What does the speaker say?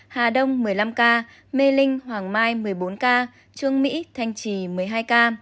hà đông một mươi năm ca mê linh hoàng mai một mươi bốn ca trương mỹ thanh trì một mươi hai ca